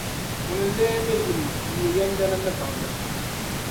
Ŋuni n-lee be yi ni n-nyɛ yɛndana ni baŋda?